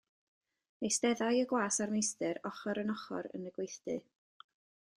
Eisteddai y gwas a'r meistr ochr yn ochr yn y gweithdy.